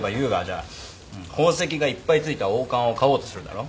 宝石がいっぱいついた王冠を買おうとするだろ。